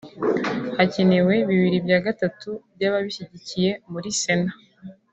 hakenewe bibiri bya gatatu by'ababishyigikiye muri sena